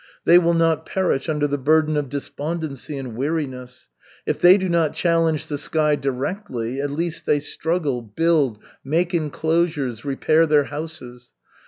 They will not perish under the burden of despondency and weariness. If they do not challenge the sky directly, at least they struggle, build, make enclosures, repair their houses.